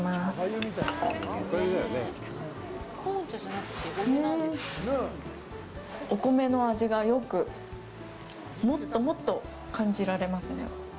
うーんお米の味がよくもっともっと感じられますね